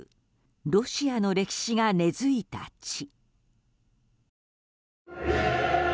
ロシアの歴史が根付いた地。